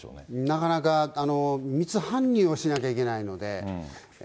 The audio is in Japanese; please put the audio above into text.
なかなか密搬入をしなきゃいけないので。